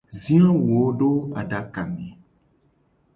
Zi awuwo do adaka me.